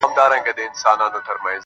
څومره بلند دی